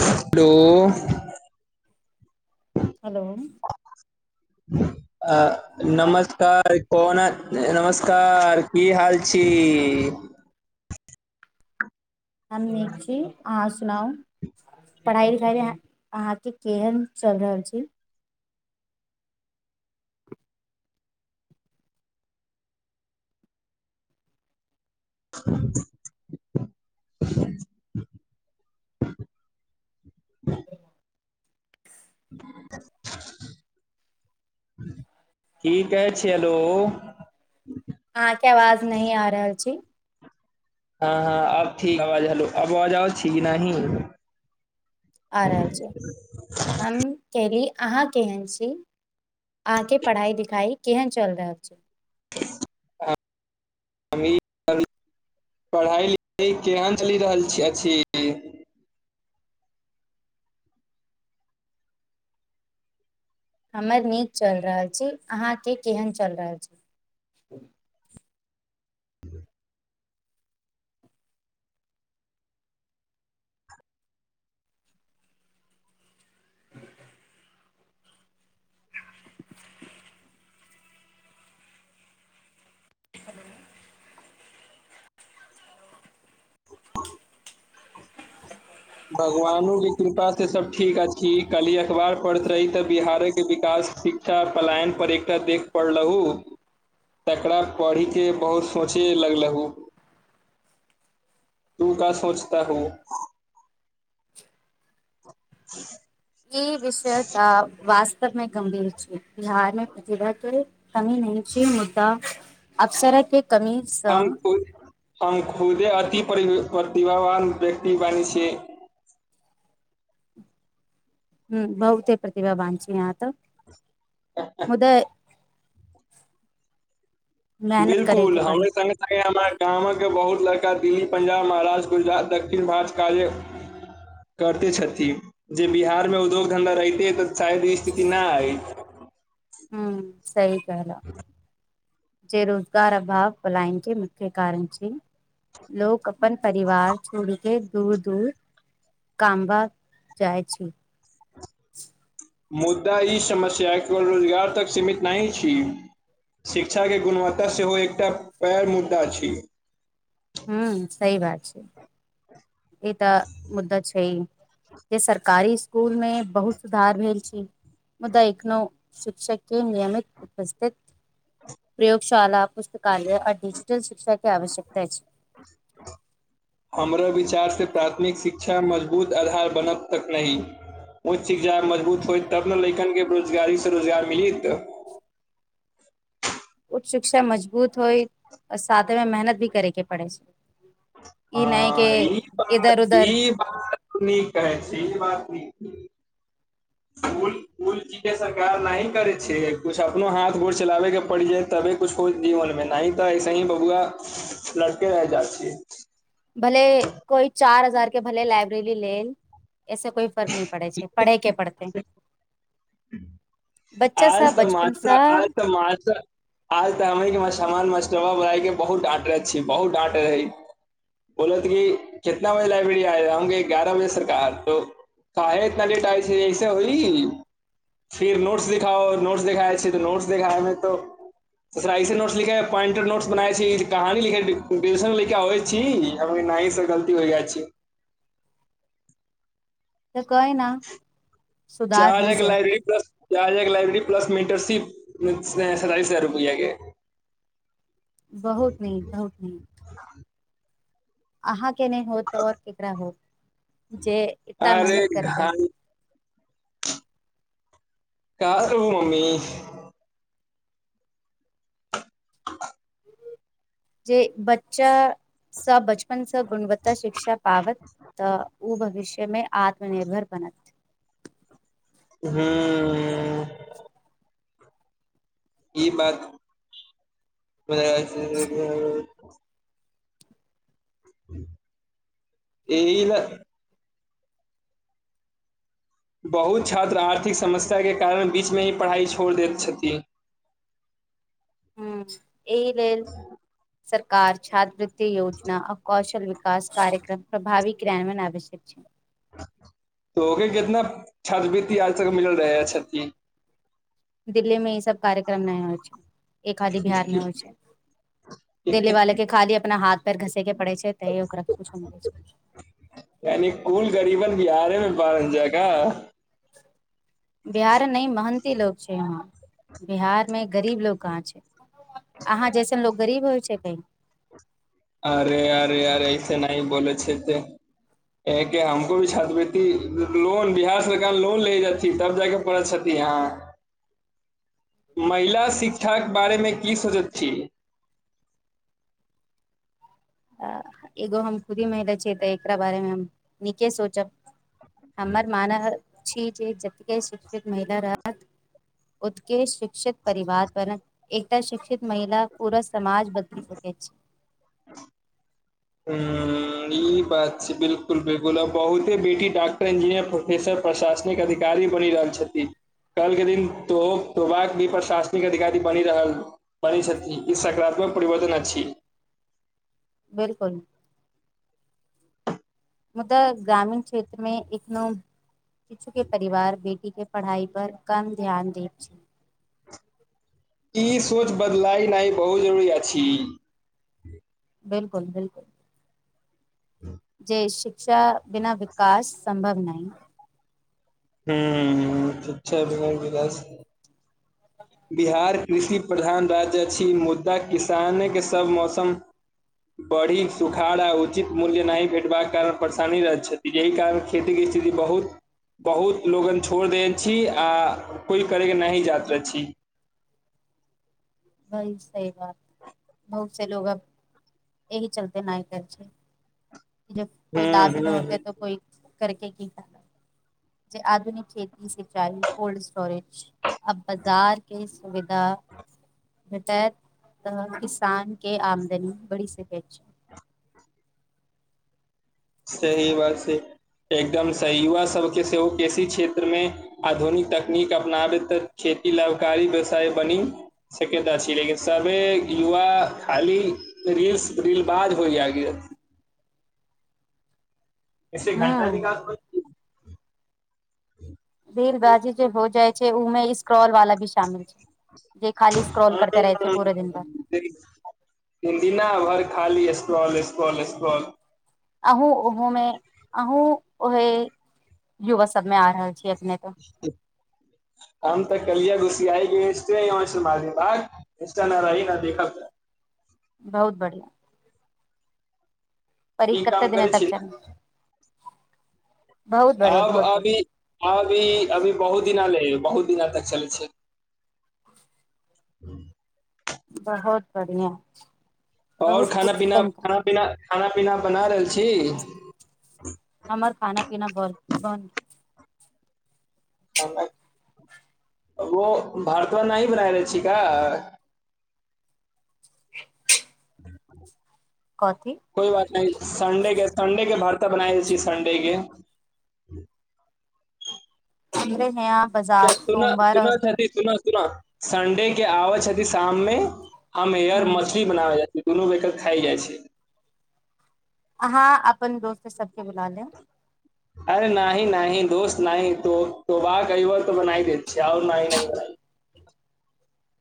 hello hello अ नमस्कार कोना नमस्कार की हाल छी हम निक छि आ सुनाउ पढ़ाई लिखाई अहाँ के केहन चल रहल छै ठीक छै [inaudible] की कहै छै हेलो अहाँके आवाज नी आ रहल छै हँ हँ अब ठीक आवाज हलो अब आवाज छै की नाही आ रहल छी हम कहली अहाँ केहन छी अह के पढ़ाई लिखाई केहन चल रहल छै आ हम ई [unintelligible] पढ़ाई लिखाई केहन चलि रहल छी अछि छी हमर नीक चल रहल छी अहाँ के केहन चल रहल छै [inaudible] [inaudible] भगवानो के कृपा से सब ठीक अछि काली अखबार पढ़ैत रही तऽ बिहारे के विकास ठीक त पलायन पर एकटा देख प रलहु तकरा पढ़िके बहुत सोचे लगलहु तू क सोचता हु [inaudible] ई विषय तऽ वास्तवमे गंभीर छै बिहारमे प्रतिभा के कमी नी छी मुद्दा अवसरके कमीसँ हम खु हम खुदे अति परी प्रतिभावान व्यक्ति बनै छियै ह्म बहु ते प्रतिभावान छी आहाँ त मुदा मेहनत बिलकुल करैके पड़ी हमरे संगे हरी हमर गामक बहुत लड़का दिल्ली पंजाब महाराष्ट्र गुजरात दक्षिण भारत काजे करते छथि जे बिहार मे उद्योग धन्धा रहिते तऽ शायद ई स्थिति ना आइ ह्म सही कहलौ जे रोजगार अभाव पलाइनके मुख्य कारण छै लोक अपन परिवार छोड़ के दूर दूर कामबा जाइ छी मुदा ई समस्या केवल रोजगार तक सीमित नहि छी शिक्षा के गुणवत्ता सेहो एकटा पैग मुद्दा छी हू सही बात छै ई तऽ मुद्दा छै है जे सरकारी स्कूल में बहुत सुधार भेल छै मुदा एखनो शिक्षक के नियमित उपस्थित प्रयोगशाला पुस्तकालय आ डिजिटल शिक्षा के आवश्यकता छै [inaudible] हमरा विचारसँ प्राथमिक शिक्षा मजबूत आधार बनब तक नहि उँच शिख जाइ मजबूत होय तब ने लैकनके बेरोजगारीसँ रोजगार मिलित उच्च शिक्षा मजबूत होइ आ साथे मे मेहनत भी करेके पड़ै ई नयके हँ ई बात इधर उदर ई नीक कहै छी ई बात न फुल कूल ची के सरकार नही करे छै कुछ अपनो हाथ गोर चलाबे के पड़ि जेत तबे कुछ होइ जीवन मे न तऽ ऐसे ही बबुआ लड़तेरहि जाइत छियै भले कोइ चार हजार के भल लाइब्रेरी लेल ऐसे कोइ फर्क नहि पड़ै छै पढ़ै के पड़तै बच्चा सब आज तऽ मास्तर बचपनसँ आज तऽ मास्तर आज तऽ हम मा के बहुत डाँटर छी बहुत डाँट रहे [unintelligible] बोलो त की कितना बजे लाइब्रेरी आय जा हंगे ग्यारह बजे स कह तो काहे इतना लेट आइ छै ऐसे होइ फिर नोट्स देख देख नोट्स देखाइ छै तऽ नोट्स देखाय मे तो नोट्स लिखे पॉइंटेड नोट्स बनाय छै कहानी लिख लिख आबै छी त न से गलती होइ जाइ छी तऽ कहि न सुधार चार हो एक जायत लाइब्रेरी बस य एक लाइब्रेरी प्लस मे इंटरसिप सैतालिस हजार रुपैआकेे बहुत नीक बहुत नीक अहाँ के नहि होत और केकरा होत जे इतना अरे मेहनत करतै घाई कहाँ से हो मम्मी [inaudible] जे बच्चा सब बच अपनसँ गुणवत्ता शिक्षा पाबत तऽ ओ भविष्य मे आत्मनिर्भर बनत हूँ [inaudible] ई बात [unintelligible] एहि ले बहुत छात्र आर्थिक समस्या के कारण बीच मे ही पढ़ाइ छोड़ दैत छथिन ह एहि लेल सरकार छात्रवृ्ति योजना आ कौशल विक विकास कार्यक्रम प्रभावी क्रानयन आवश्यक छै त ओ कितना छात्रवृति आज तक मिल रहे है छति दिल्ली मे ई सब कार्यक्रम ना होइ छै एक खादी बिहार मे होइ छै देली वाले के खाली अपना हाथ पेर घसे के पड़े छै तऽ ओकरा कछो मिल छै यानि कुल करीबन बिहारे मे बारह हज का बिहार ने महन्ती लोग छै यहा बिहार मे गरीब लोग कहाँ छै अहाँ जैसन लोग गरीब होइ छै कही अरे अरे अरे ऐसे नहि बोलै छै त एक हमको भि छात्रवृति लोन बिहार सरकार लोन ले जाती तब जाके पै छथि अहाँ [inaudible] महिला शिक्षाक बारेमे की सोचैत छी एगो हम खुदी महिला छिय तऽ एकरा बारेमे हम नीके सोचब हमर मानऽ छी जे जतेके शिक्षित महिला रहत उके शिक्षित परिवार पर एक शिक्षित महिला पूरा समाज बदलि सकैत छै ह [inaudible] हँ ई बात छै बिलकुल बिलकुल आब बहुते बेटी डॉक्टर इंजीनियर प्रोफ फेसर प्रशासनिक अधिकारी बनि रहल छथि काल्हि के दिन तो प्रोबा भी प्रशासनिक अधिकारी बनि रहल बनै छथि ई सकारात्मक परिवर्तन अछि बिलकुल मुदा ग्रामीण क्षेत्रमे एखनो इच्छूके परिवार बेटी केँ पढ़ाइ पर कम ध्यान दैत छै ई सोच बदलायनाइ बहुत जरूरी अछि बिल्कुल बिल्कुल ह [inaudible] शिक्षा बिना विकास संभव नहि हूँ शिक्षा बिना बिकास ह [inaudible] बिहार कृषि प्रधान राज्य अछि मुदा किसानेके सब मौसम बड़ी सुखार आ उचित मूल्य नहि भेटबाक कारण परेशानी रहैत छथि यहि कारण खेती केँ स्थिति बहुत बहुत लोगन छोड़ि देत छी आ कोई करे के नहि जात रहत छी होइ छै ई बात बहुत से लोग अब एहि चलते नहि करै छै जब हूँ कोइ लाभे नऽ हूँ हूँ होतै तऽ कोइ करके की करत जे आधुनिक खेती से चाही कोल्ड स्टोरेज अब बाजार के सुविधा भेटैत तब किसान के आमदनी बढ़ि सकैत छै सही बात छै एकदम सही युवा सबके सेहो कृषि क्षेत्रमे आधुनिक तकनीक अपनाबे तऽ खेती लाभकारी व्यवसाय बनी सकैत अछि लेकिन सभे युवा खाली रील्स रीलबाज होइ जाइ गेल एहिसे घंटा हँ विकास होइत [inaudible] फेर बाजी जे हो जाइ छै उमे इस स्क्रॉल वाला भी शामिल छै जे खाली स्क्रॉल करते रहै छै पूरे दिन भर दिन दिना भरि खाली स्क्रॉल स्क्रॉल स्क्रॉल अहूँ ओहो मे अहूँ ओहे युवक सबमे आ रहल छी अपनेके [inaudible] हम तऽ कलिया घुसीयाइ के यमी बाद इंस्टा न रही न देख के बहुत बढ़ियां पर ई नीक काम कते दिना करै छी तक न चलबै अब बहुत अभी बढ़िया अभी अभी बहुत दिनाले बहुत दिना तक चलै छै [inaudible] बहुत बढ़ियां आओर खाना पीना खाना पीना खाना पीना बना रहल छी हमर खाना पीना बन बन गेल वो भार्ता नही बनाय रहल छी का कथी कोइ बात नहि संडे के संडे के भर्ता बनाइ दैत छी संडे के हैया सुन सुन थजी सुनऽ संडे के आबै छथि शाम मे हम एहर ह मछली बनाबै दुनू मिलकर खाइ जाइ छै हँ अपन दोस्त सबके बुला लेब अरे नाहि नाहि दोस्त नाहि तो तो वाह की बार तो बनाइ दे छ आओर नहि नहि बना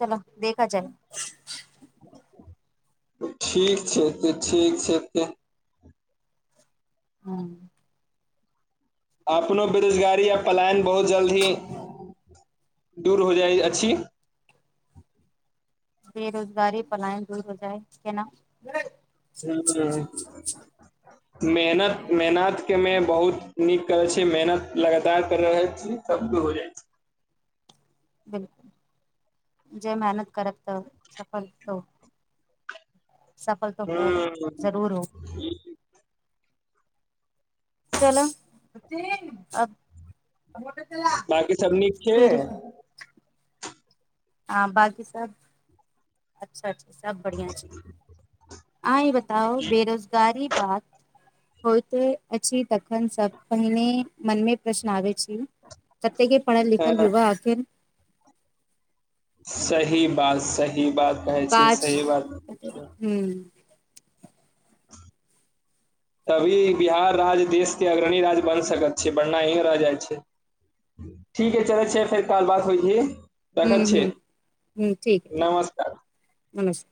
चल देखल चाही ठीक छै तऽ ठीक छै तऽ हँ अपनो बेरोजगारी य पलायन बहुत जल्द ही दूर हो जाइ अछि बेरोजगारी पलायन दूर हो जाए केना ह मेहनत मेहनत के मे बहुत नीक करै छै मेहनत लगातार कर रहल छी तब तो हो जाइ छै हल जे मेहनत करब तऽ सफल त सफल त होब हूँ जरूर होब चल अब बाकी सब नीक छै फिर आ बाकी सब अच्छा अच्छा सब बढ़िया छै अहां ई बताओ बेरोजगारी बात होते अछि तखन सब पहिने मन मे प्रश्न आबे छी कतेक पढ़ल लिखल हँ युव अथिन सही बात सही बात कहै छी सही बात कहै छी हूँ [inaudible] तभी बिहार राज्य देश के अग्रणी राज्य बन सकैत छै बढ़ना एहिं रह जाइ छै ठीक ह चल छै फेर काल बात होइ छै रखै हुं छियै हूं हूँ ठीक ठीक नमस्कार नमस्